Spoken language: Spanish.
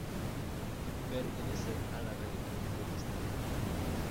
Pertenece a la religión protestante.